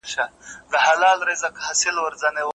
دا ابوجهل د قرآن خبره کله مني